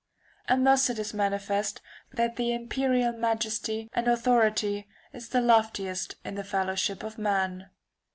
And thus it is manifest that the imperial ] majesty and authority is the loftiest in the fellowship of man.